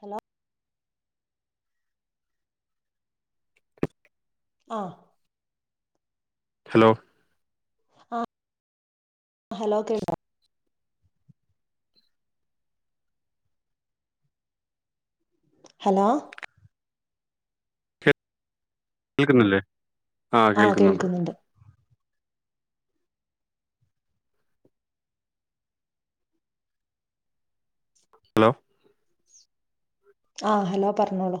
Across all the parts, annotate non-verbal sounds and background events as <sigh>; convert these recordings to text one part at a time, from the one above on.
Hello ആഹ് hello ആഹ് hello കേൾ ഹലോ കേൾക്കുന്നില്ലേ, ആ കേൾക്കുന്നുണ്ട്. ഹലോ ആഹ്, ഹലോ പറഞ്ഞോളു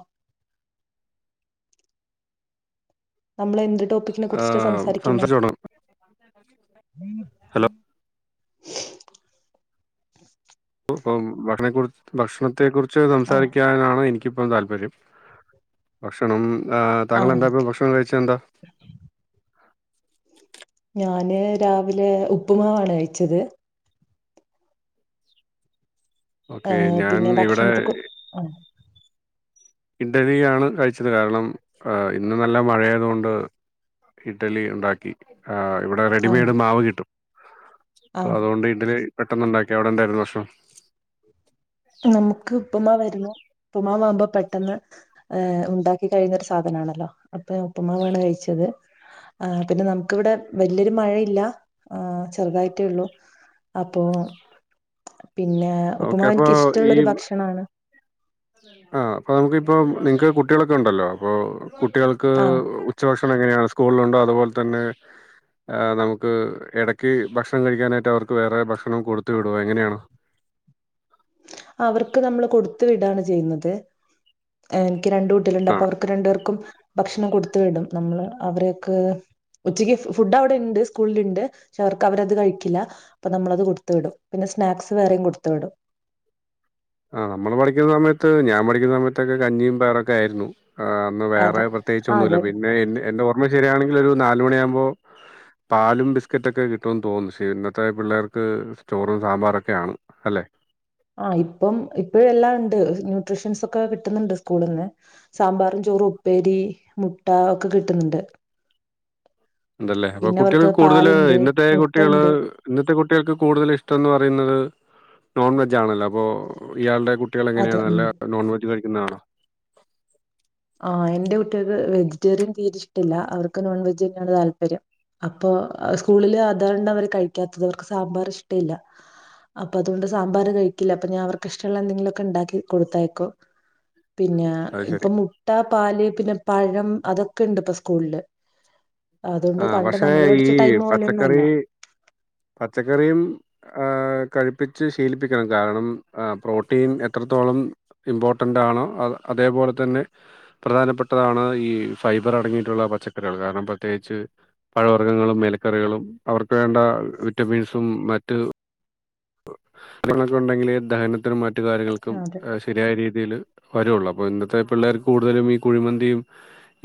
നമ്മള് എന്ത് ടോപ്പിക്കിനെ ആ കുറിച്ചിട്ട സംസാരിക്കുന്നെ? സംസാരിച്ചു തുടങ്ങാം ഹലോ പ്പ് ഇപ്പം ഭക്ഷണെക്കുറി ഭക്ഷണത്തെ കുറിച്ച് ആഹ് സംസാരിക്കാനാണ് എനിക്കിപ്പം താല്പര്യം. ഭക്ഷണം ഏഹ്‌ താങ്കൾ ആഹ് എന്താപ്പോ ഓക്കെ ഭക്ഷണം കഴിച്ചേ എന്താ? ഞാന് രാവിലെ ഉപ്പുമാവാണ് കഴിച്ചത്. ഓക്കെ ആഹ് ഞാൻ പിന്നെ ഇവിടെ ഭക്ഷണത്തെ കു ആഹ് ഇഡലിയാണ് കഴിച്ചത് കാരണം ഇന്ന് നല്ല മഴ ആയതുകൊണ്ട് ഇഡലി ഉണ്ടാക്കി ആഹ് ഇവിടെ ആഹ് റെഡിമെയ്ഡ് മാവ് കിട്ടും അപ്പൊ ആഹ് അതുകൊണ്ട് ഇഡിലി പെട്ടെന്ന് ഉണ്ടാക്കി അവിടെ എന്തായിരുന്നു ഭക്ഷണം നമുക്ക് ഉപ്പുമാവ് ആയിരുന്നു ഉപ്പമാവാവുമ്പോ പെട്ടെന്ന് ഏഹ് ഉണ്ടാക്കി കഴിയുന്നൊരു സാധനാണല്ലോ അപ്പൊ ഉപ്പ്മാവാണ് കഴിച്ചത് ആഹ് പിന്നെ നമുക്ക് ഇവിടെ വലിയൊരു മഴയില്ല ആഹ് ചെറുതായിട്ടേ ഉള്ളൂ അപ്പൊ പിന്നെ ഓക്കെ ഉപ്പുമാവ് അപ്പൊ എനിക്ക് ഈ ഇഷ്ടമുള്ളൊരു ഭക്ഷണാണ് ആഹ് അപ്പൊ നമുക്ക് ഇപ്പോ നിങ്ങക്ക് കുട്ടികളൊക്കെ ഉണ്ടല്ലോ അപ്പൊ കുട്ടികൾ ക്ക് ആഹ് ഉച്ചഭക്ഷണം എങ്ങനെയാണ് സ്കൂളിലുണ്ടോ അതുപോലെ തന്നെ നമുക്ക് ഇടയ്ക്ക് ഭക്ഷണം കഴിക്കാനായിട്ട് അവർക്ക് വേറെ ഭക്ഷണം കൊടുത്തു വിടോ എങ്ങനെയാണ് അവർക്ക് നമ്മള് കൊടുത്ത് വിടാണ് ചെയ്യുന്നത് എനിക്ക് രണ്ട് കുട്ടികളുണ്ട് ആ അപ്പ അവർക്ക് <unintelligible> രണ്ട് പേർക്കും ഭക്ഷണം കൊടുത്തു വിടും നമ്മള് അവര്ക്ക് ഉച്ചയ്ക്ക് ഫുഡ് അവിടെ ഇണ്ട് സ്കൂളിൽ ഇണ്ട് പക്ഷെ അവർക്ക് അവരത് കഴിക്കില്ല അപ്പൊ നമ്മളത് കൊടുത്തു വിടും പിന്നെ സ്നാക്സ് വേറെയും കൊടുത്തു വിടും ആഹ് നമ്മള് പഠിക്കുന്ന സമയത്ത് ഞാൻ പഠിക്കുന്ന സമയത്തൊക്കെ കഞ്ഞിയും പയറൊക്കെ ആയിരുന്നു ആഹ് ഒന്ന് വേറെ അതെ പ്രത്യേകിച്ച് ആ അതെ ഒന്നുമില്ല പിന്നെ ഇന്റെ ഓർമ്മ ശരിയാണെങ്കിൽ ഒരു നാല് മണിയാകുമ്പോ പാലും ബിസ്ക്കറ്റൊക്കെ കിട്ടോന്ന് തോന്ന്ന്ന് പക്ഷേ ഇന്നത്തെ പിള്ളേർക്ക് ചോറ് സാമ്പാറൊക്കെയാണ് അല്ലേ ആഹ് ഇപ്പം ഇപ്പോഴെല്ലാം ഉണ്ട് ന്യൂട്രിഷ്യൻസ് ഒക്കെ കിട്ടുന്നുണ്ട് സ്കൂളിന്ന് സാമ്പാറും ചോറും ഉപ്പേരി മുട്ട ഒക്കെ കിട്ടുന്നുണ്ട് ഇണ്ടല്ലേ അപ്പൊ പിന്നെ കുട്ടികൾ അവർക്ക് കൂടുതല് പാലുണ്ട് ഇന്നത്തെ മുട്ട കുട്ടികള് ഉണ്ട്. ഇന്നത്തെ കുട്ടികൾക്ക് കൂടുതൽ ഇഷ്ടം എന്ന് പറയുന്നത് നോൺ വെജ് ആണല്ലോ അപ്പോൾ ഇയാള്ടെ കു ട്ടികൾ അതെ എങ്ങനെയാണ് നല്ല ഉം. നോൺവെജ് കഴിക്കുന്നതാണോ ആഹ് എന്റെ കുട്ടികൾക്ക് വെജിറ്റേറിയൻ തീരെ ഇഷ്ടില്ല അവർക്ക് നോൺ വെജ് തന്നെയാണ് താല്പര്യം അപ്പൊ സ്കൂളില് അതാണ് അവര് കഴിക്കാത്തത് അവർക്ക് സാമ്പാറ് ഇഷ്ടയില്ല അപ്പൊ അതുകൊണ്ട് സാമ്പാറ് കഴിക്കില്ല അപ്പൊ ഞാ അവർക്ക് ഇഷ്ടള്ള എന്തെങ്കിലൊക്കെ ഇണ്ടാക്കി കൊടുത്തയ്ക്കും പിന്നെ അത് ശരി ഇപ്പൊ മുട്ട പാല് പിന്നെ പഴം അതൊക്കെയുണ്ട് ഇപ്പം സ്കൂളില് അതുകൊണ്ട് ആഹ് പണ്ട് പക്ഷെ നമ്മള് ഈ പഠിച്ച ടൈം പോലെയൊന്നല്ല. പച്ചക്കറി പച്ചക്കറിയും. ഏഹ് കഴിപ്പിച്ച് ശീലിപ്പിക്കണം കാരണം പ്രോട്ടീൻ എത്രത്തോളം. ഇമ്പോർട്ടന്റാണ് അഹ് അതേപോലെ തന്നെ. പ്രധാനപ്പെട്ടതാണ് ഈ ഫൈബർ അടങ്ങിയിട്ടുള്ള പച്ചക്കറികള് കാരണം പ്രത്യേകി ച് പഴവർഗങ്ങളും എലക്കറികളും അവർക്ക് വേണ്ട വിറ്റമിൻസും മറ്റ്. ങ്ങളൊക്കെ ഉണ്ടെങ്കിലെ ദഹനത്തിനും മറ്റു കാര്യങ്ങൾക്കും. അതെ ശരിയായ രീതിയിൽ വരൊള്ളൂ അപ്പോ ഇന്നത്തെ പിള്ളേർക്ക് കൂടുതലും ഈ കുഴിമന്തിയും.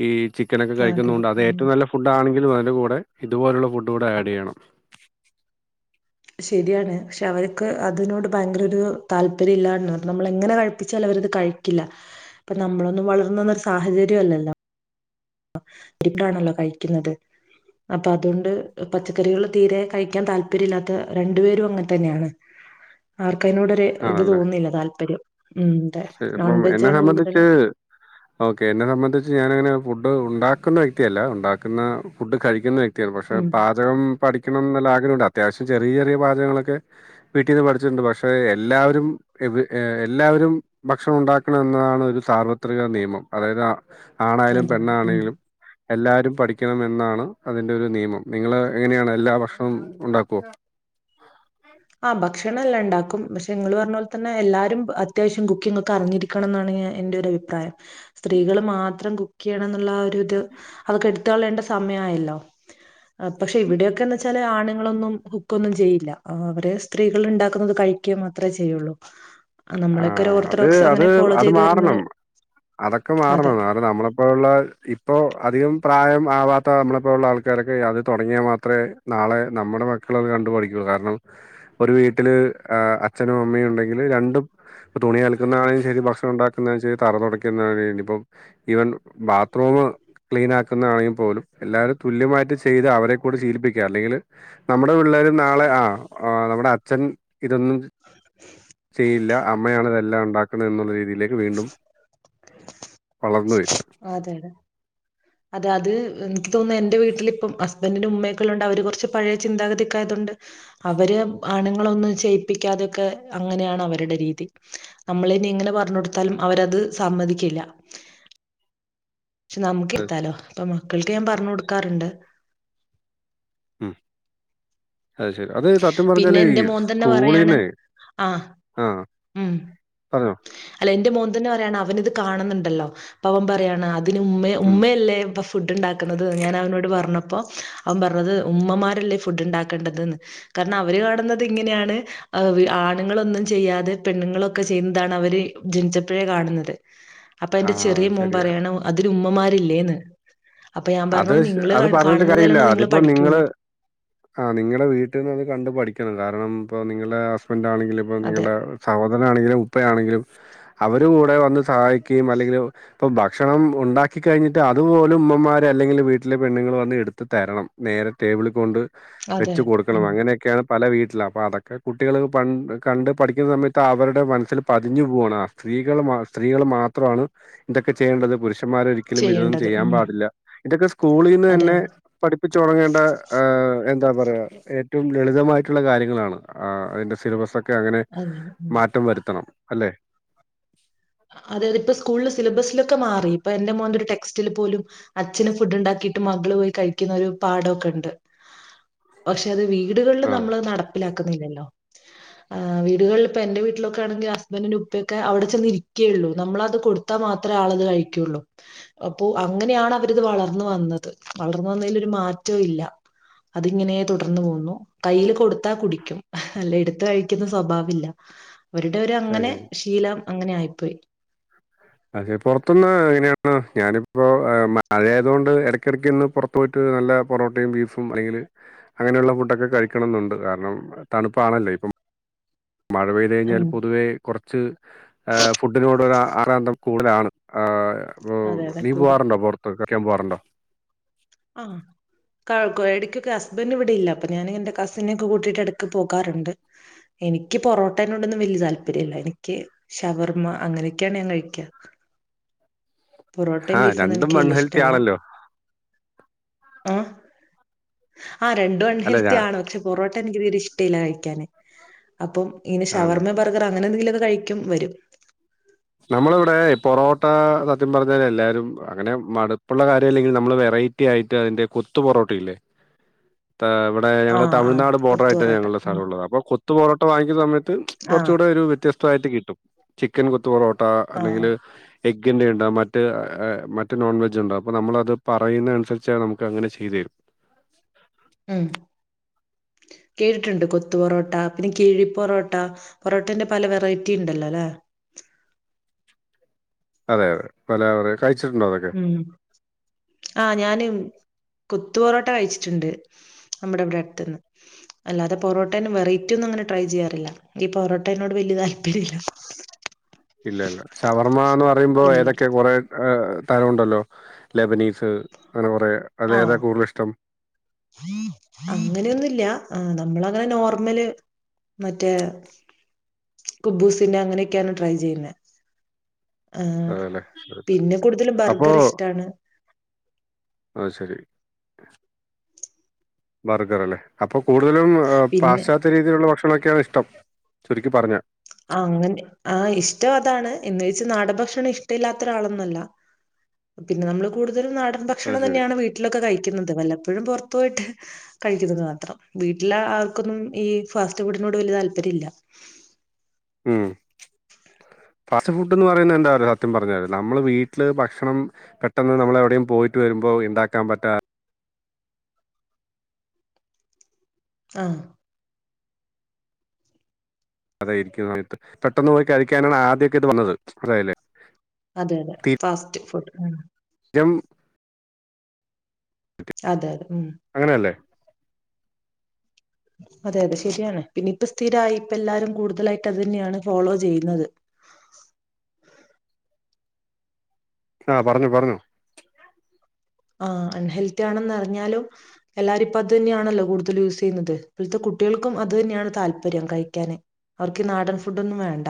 ഈ ചിക്കനൊക്കെ അതെ കഴിക്കുന്ന കൊണ്ട അത് ഉം ഏറ്റവും നല്ല ഫുഡണെങ്കിലും അതിന്റെ കൂടെ ഇതുപോലുള്ള ഫുഡൂടെ ആഡ്യ്യണം. ശരിയാണ് പക്ഷെ അവർക്ക് അതിനോട് ഭയങ്കര ഒരു താല്പര്യം ഇല്ലാ നമ്മള എങ്ങനെകഴി ചെലവരത് കഴിക്കില്ല ഇപ്പ നമ്മളൊന്നും വളർന്നന്ന ഒരു സാഹചര്യംല്ലല്ലോ. ഇപിടാണല്ലോ കഴിക്കുന്നത്. അപ്പൊ അതൊണ്ട് പച്ചക്കറികൾ തീരെ കഴിക്കാൻ താല്പര്യം ഇല്ലാത്ത രണ്ടുപേരും അങ്ങൻ തന്നെയാണ്. ആർക്ക് അയ്നോടൊരു ഇത് ആണല്ലേ? തോന്നുന്നില്ല താല്പര്യം ഉം അതെ ശരി അപ്പം എന്നെ നോൺവെജാണ് സംബന്ധിച്ച് കൂടുതലും. <unintelligible> ഓക്കെ എന്നെ സംബന്ധിച്ച് ഞാനങ്ങനെ ഫുഡ് ഉണ്ടാക്കുന്ന വ്യക്തിയല്ല ഉണ്ടാക്കുന്ന ഫുഡ് കഴിക്കുന്ന വ്യക് ത്യ പക്ഷെ ഉം പാചകം പഠിക്കണം ന്ന്ള്ളെ ആഗ്രഹണ്ട് അത്യാവശ്യം ചെറിയ ചെറിയ പാചകങ്ങളൊക്കെ. വീട്ടീന്ന് പഠിച്ചിട്ടുണ്ട് പക്ഷെ എല്ലാവരും എല്ലാവരും. ഭക്ഷണം ഉണ്ടാക്കണം എന്നതാണ് ഒരു സാർവത്രിക നിയമം അതായത്. ആണായാലും അതാണ് ഉം പെണ്ണാണെലും. എല്ലാരും പഠിക്കണം എന്നാണ് അതിന്റെറെ ഒരു നിയമം നിങ്ങള് എങ്ങനെയാണ് എല്ലാ ഭക്ഷണോം ഉണ്ടാക്കൊ? ആ ഭക്ഷണ എല്ലാം ഇണ്ടാക്കും പക്ഷെ ഇങ്ങള് പറഞ്ലെ തന്നെ എല്ലാരും അത്യാവശ്യ കുക്കിംങ്‌ഹോക്കെ അറിഞ്ഞിരി ക്കണന്നാണ് എന്റെരുഭിപ്രായം സ്ത്രീകള് മാത്രം കുക്ക്യ്യണം ന്നുള്ള ആ ഒരിത് അതൊക്കെ എടു ത്ത്കളയണ്ട സമയായല്ലോ. പക്ഷെ ഇവിടെയൊക്കെന്നെ ച്ചാലെ ആണുങ്ങളൊന്നും കുക്കൊന്നും ചെയ്യില്ല. അ അവര് സ്ത്രീകള്ണ്ടാക്കുന്നത് കഴിക്ക മാത്രേ ചെയ്യുള്ളൂ. ആ, നമ്മളൊക്കെ ഒരു ആഹ് അത് ഓർത്തഡോക്സ് അത് അങ്ങനെ ഫോളോ അത് ചെയ്ത് വരുന്ന മാറണം അതൊക്കെ അതെ മാറണം, അത് നമ്മളെ. ഇപ്പോഴുള്ള ഇപ്പോ അധികം പ്രായം ആവാത്ത നമ്മളെപ്പോലുള്ള ആൾക്കാരൊക്കെ അത് തൊടങ്ങിയാ മാത്രേ നാളെ നമ്മടെ മക്കളത് കണ്ട് പഠിക്കൊള്ളൂ കാരണം. ഒരു വീട്ടില് അച്ഛനും അമ്മയും ഉണ്ടെങ്കില് രണ്ടും. ഇപ്പ തുണി അലക്കുന്നാണേലും ശരി ഭക്ഷണം ഇണ്ടാക്കുന്നതയാലും ശരി തറ തുടക്കുന്നതാണേലും ഇന്നിപ്പം. ഈവൻ ബാത്റൂമ് ക്ലീനാക്കുന്നതാണെങ്കി പോലും എല്ലാവരും തുല്യമായിട്ട് ചെയ്ത് അവരെ കൂടി ശീലിപ്പിക്ക അല്ലെങ്കില്. നമ്മുടെ പിള്ളേരും നാളെ ആഹ് ആഹ് നമ്മുടെ അച്ഛൻ ഇതൊന്നും ചെ <inaudible> ചെയ്യില്ല. അമ്മയാണ് ഇതെല്ലാം ഉണ്ടാക്കുന്നത് എന്നുള്ള രീതിയില്. വീണ്ടും വളർന്ന് വരും. അതെയതെ, അതെ അത് എനിക്ക് തോന്നുന്നു എന്റെ വീട്ടിലിപ്പം ഹസ് ബന്റിന്റെ ഉമ്മയൊക്കെള്ളോണ്ട് അവര് കൊറച്ച് പഴയ ചിന്താഗതിക്കായതുണ്ട്. അവര് ആണുങ്ങളൊന്നും ചെയ്യിപ്പിക്കാതൊക്കെ അങ്ങനെയാണ് അവരുടെ രീതി. അമ്മളിനി ഇങ്ങനെ പറഞ്ടുത്താലും അവരത് സമ്മതിക്കില്ല. പക്ഷെ അത് ശ നമുക്കിരുത്താലോ ഇപ്പൊ മക്കൾക്ക് ഞാൻ പറഞ്ഞ് കൊടുക്കാറ്ണ്ട്. ഉം അത്ശരി അത് സത്യം പറഞ്ഞാല് ഈ സ്കൂളിന്ന്. ആഹ് ഉം. പറഞ്ഞോ? അല്ല ന്റെ മോൻതന്നെ പറയാണ് അവനിത് കാണുന്നുണ്ടല്ലോ പ്പൊ അവൻ പറയാണ്. അ തിന് ഉമ്മെ ഉം. ഉമ്മയല്ലേ പ്പൊ ഫുഡ് ഉണ്ടാക്കണുന്നത് ഞാൻ അവനോട് പറഞ്ഞപ്പോഅവൻ പറഞ്ഞത് ഉമ്മമാരല്ലേ ഫുഡ്ണ്ടാക്കണ്ടത് ന്ന് കാരണം അവര് കാണുന്നത് ഇങ്ങനെയാണ്. ആഹ് ആണുങ്ങളൊന്നും ചെയ്യാതെ പെണ്ണുങ്ങളൊക്കെ ചെയ്യുന്നതാണ് അവര് ജനിച്ചപ്പഴേ കാണുന്നത്. <inaudible> അപ്പ എന്റെ ചെറിയ മോൻ ശരിയാ. പറയാണ് അതിരു മ്മമാരില്ലേന്ന്. അപ്പ ഞാൻ അത് പറഞ്ഞു. ശ് നിങ്ങള് അത് പറഞ്ഞിട്ട് കാണുന്നുന്നതല്ലോ നിങ്ങള് പഠിക്കുള്ളൂ ആഹ്‌ നിങ്ങടെ വീട്ടീന്നത് കണ്ട് പഠിക്കണം. കാരണം പ്പൊ നിങ്ങളുടെ ഹസ്ബൻഡറ് ആണെങ്കിലും അപ്പ അതെ നിങ്ങളുടെ സഹോദരനാണെങ്കിലും ഉപ്പയാണെങ്കിലും അവര്കൂടെ വന്ന് സഹായിക്കുകയും അല്ലെങ്കില് പ്പൊ ഭക്ഷണം ഉണ്ടാക്കി കഴിഞ്ഞിട്ട് അതുപോലും ഉമ്മമാർ അല്ലെങ്കിൽ വീട്ടിലെ പെണ്ണുങ്ങൾ വന്ന് എടുത്തു തരണം നേരെ ടേബിൾ കൊണ്ട് അതെ വെച്ച് കൊടുക്കണം ഉം അങ്ങനെയൊക്കെയാണ് പല വീട്ടില്. അപ്പോൾ അതൊക്കെ കുട്ടികൾ പ കണ്ട് പഠിക്കുന്ന സമയത്ത് അവരുടെ മനസ്സിൽ പതിഞ്ഞു പോവാണ് ആ സ്ത്രീകൾ മാ സ്ത്രീകൾ മാത്രമാണ് ഇതൊക്കെ ചെയ്യേണ്ടത് പുരുഷന്മാരൊരിക്കലും ഇതൊന്നും ചെയ്യേണ്ടത് ചെയ്യാൻ ഉം പാടില്ല തൊക്കെ സ്ക്കൂളീന്ന് അതെ തന്നെ പഠിപ്പിച്ചു തുടങ്ങേണ്ട എന്താ പറയാ ഏറ്റവും ലളിതമായിട്ടുള്ള കാര്യങ്ങളാണ്. അതിന്റെ സിലബസക് ക്കെ അങ്ങനെ അതെ അതെ മാറ്റം വരുത്തണം. അല്ലെ അതെയതെ ഇപ്പ സ്കൂൾല് സിലബസിലൊക്കെ മാറി, ഇപ്പൊ എന്റെ മോന്റൊരു ടെക്സ്റ്റില് പോലും അച്ഛന് ഫുഡ്ഡ് ണ്ടാക്കിയിട്ട് മകള് പോയി കഴിക്കുന്നൊരു പാടഒക്കെ ഉണ്ട് <inaudible> പക്ഷെ അത് വീടുകൾല് ആഹ് നമ്മളത് നട പ്പിലാക്കുന്നില്ലല്ലോ. ആ വീടുകളിലിപ്പൊ എന്റെ വീട്ടിലൊക്കെ ആണെങ്കിൽ ഹസ്ബൻഡറിന്റെ ഉപ്പൊക്കെ അവിടെ ചെന്ന് ഇരി ക്കേയെള്ളൂ. നമ്മളത് കൊടുത്താ മാത്രേ ആളത് കഴിക്കുള്ളൂ അപ്പോ അങ്ങനെയാണ് അവരിത് വളർന്ന് വന്നത് വളർന്ന് വന്നതിലൊരു മാറ്റവും ഇല്ല അതിങ്ങനേ തുടർന്ന് പോകുന്നു കയ്യിൽ കൊടുത്താ കുടിക്കും. അല്ല എടുത്ത കഴിക്കുന്ന സ്വഭാവില്ല അവരുടെ അത് ഒരങ്ങനെ ശരി. ശീലം അങ്ങനെ ആയിപ്പോയി അതെ പുറത്തനിന്ന് എങ്ങനെയാണ് ഞാനിപ്പോ മഴയായത് കൊണ്ട് ഇടക്കിടക്കൊന്നു പുറ പോയിട്ട് നല്ല പൊറോട്ടയും ബീഫും അല്ലെങ്കിൽ അങ്ങനെയുള്ള ഫുഡൊക്കെ കഴിക്കണം എന്നുണ്ട് കാരണം തണുപ്പാണല്ലോ ഇപ്പം മഴ പെയ്തു കഴിഞ്ഞാൽ ഉം പൊതുവേ കുറച്ച് ഫുഡിനോട് ഒരു ആറാന്ധം കൂടുതലാണ് അപ്പൊ അതെ അതെ നീ കൂടും പോവാറുണ്ടോ പുറത്ത് കഴിക്കാൻ പോവാറുണ്ടോ ആഹ് ഴ ഇടക്കൊക്കെ ഹസ്ബന്റ് ഇവിടെയില്ല അപ്പൊ ഞാനി എന്റെ കസിന ഒക്കെ കൂട്ടിട്ട് ഇടയ്ക്ക് പോകാറുണ്ട് എനിക്ക് പൊറോട്ടേന കൊണ്ടൊന്നും വലിയ താല്പര്യംല്ല എനിക്ക് ഷവർമ്മ അങ്ങനെയൊക്കെയാണ് ഞാൻ കഴിക്ക പൊറോട്ടയും ആഹ് ബീഫോന്നും രണ്ടും നിക്ക് വൺ വല്യ ഇഷ്ട ഹെൽത്തി അല്ലാ ആണല്ലോ. ആഹ് ആ രണ്ടും അൺ അല്ല ഹെൽത്തി ഞാ ആണ് പക്ഷെ പൊറോട്ട എനിക്ക് തീരെ ഇഷ്ടയില്ല കഴിക്കാന് അപ്പ ഇങ്ങനെ ആണല്ലേ. ഷവർമ ബർ ഗർ അങ്ങനെന്തേലും കഴിക്കും വരും നമ്മളിവിടെ പൊറോട്ട സത്യം പറഞ്ഞാൽ എല്ലാരും അങ്ങനെ മടുപ്പുള്ള കാര്യം അല്ലെങ്കിൽ നമ്മള് വെറൈറ്റി റ്റിയായിട്ട് അതിന്റെ കൊത്തുപൊറോട്ടല്ലേ ആ ഞങ്ങള് ആ തമിഴ്നാട് കൊത്തു ബോർറയിട്ടാണ് പൊറോട്ട ഞങ്ങളുടെ ഉം സ്ഥലമുള്ളത് അപ്പ കുത്തു പൊറോട്ട വാങ്ങുന്ന സമയത്ത് ആ കുറച്ച കൂടെ ഒരു വ്യത്യസ്തമായിട്ട് കിട്ടും ചിക്കൻ കുത്തു പൊറോട്ട ട്ട ആ ആ. അല്ലെങ്കിൽ എഗ്ഗിൻ്റെ ഉണ്ടാവും മറ്റ് മറ്റ് നോൺ വെജ്ണ്ടാവും അപ്പോൾ നമ്മളത് പറയുന്നതനുസരിച്ച നമുക്ക്ങ്ങനെ ചെയ്തു തരും ഉം കേട്ടീട്ടുണ്ട് കൊത്തു പൊറോട്ട പിന്നെ കീഴി പൊറോട്ട പൊറോട്ടേന്റെ പല വെറൈറ്റി ഉണ്ടല്ലോ അല്ലേ അതെ അതെ പല അവർ കഴിച്ചിട്ടുണ്ടോ അതക്കെ ഉം ആഹ ഞാന് കൊത്തു പൊറോട്ട കഴിച്ചിട്ടുണ്ട് നമ്മുടെ ഇവിടെ അടുത്തുന്ന് അല്ലാതെ പൊറോട്ടേട വെറൈറ്റി ഒന്നും അങ്ങനെ ട്രൈ ചെയ്യാറില്ല എനിക്ക് ഈ പൊറോട്ടേനോട് വല്യ താല്പര്യം ഇല്ല <inaudible> ഇല്ല ഇല്ല ഷവർമ്മ എന്ന് പറയുമ്പോ ഏതൊക്കെ കുറെ തരംണ്ടല്ലോ ലെബനീസ് അങ്ങനെ കുറ അതേതാ കൂടുതൽ ഇഷ്ടം അങ്ങനെയൊന്നുല്ല ആഹ് നമ്മളങ്ങനെ നോർമല് മറ്റേ കുബൂസിന്റെ അങ്ങനെയൊക്കെയാണ് ട്രൈ ചെയ്യുന്നെ ആഹ് അതെല്ലെ ശരി ശരി പിന്നെ കൂടുതലും അപ്പോ ബർഗർ ഇഷ്ടാണ് ആഹ് ശരി ബർഗറല്ലേ അപ്പൊ കൂടുതലും ആഹ് പിന്നെ പാശ്ചാത്യ രീതിയിലുള്ള ഭക്ഷണൊക്കെയാണ് ഇഷ്ടം ചുരുക്കി പറഞ്ഞ ആഹ് അങ്ങനെ ആഹ് ഇഷ്ടം അതാണ് എന്ന് വെച്ച് നാടൻ ഭക്ഷണം ഇഷ്ടല്ലാത്ത ഒരാളൊന്നും അല്ല പിന്ന നമ്മള് കൂടുതലും നാടൻ അത് ഭക്ഷണം ശരി തന്നെയാണ് വീട്ടിലൊക്ക കഴിക്കുന്നത് വല്ലപ്പഴും പൊറത്തു പോയിട്ട് കഴിക്കുന്നത് മാത്രം വീട്ടിലാ ആർക്കൊന്നും ഈ ഫാസ്റ്റ് ഫുഡിനോട് വല്യ താല്പര്യയില്ല ഉം ഫാസ്റ്റ് ഫുഡെന്ന് പറയുന്ന എന്താറിയോ സത്യം പറഞാല് നമ്മള് വീട്ടില് ഭക്ഷണം പെട്ടെന്ന് നമ്മളെവിടെയും പോയിട്ട് വരുമ്പോ ഇണ്ടാക്കാൻ പറ്റാ ആഹ് അതായിരിക്കും സമയത്ത് പെട്ടെന്ന് പോയി കഴിക്കാനാണ് ആദ്യോക്കെ ഇത് വന്നത് മനസ്സിലായില്ലേ? അതെ അതെ ഫാസ്റ്റ് ഫുഡ് ആഹ് ജം അതെ അതെ ഉം അങ്ങനെയല്ലേ? അതെ അതെ ശരിയാണ് പിന്നെ ഇപ്പ സ്ഥിരായി ഇപ്പ എല്ലാരും കൂടുതലായിട്ട് അത് തന്നെയാണ് ഫോളോ ചെയ്യുന്നത് ആഹ് പറഞ്ഞോ പറഞ്ഞോ ആഹ് അൺഹെൽത്തി ആണെന്നറിഞ്ഞാലും എല്ലാരും ഇപ്പ അത് തന്നെയാണല്ലോ കൂടുതൽ യൂസ് ചെയ്യുന്നത് ഇപ്പോഴ്‌ത്ത കുട്ടികൾക്കും അത് തന്നെയാണ് താല്പര്യം കഴിക്കാന് അവർക്ക് നാടൻ ഫുഡൊന്നും വേണ്ട